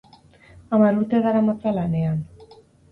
Hamar urte daramatza lanean.